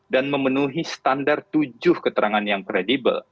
dan memenuhi standar tujuh keterangan yang kredibel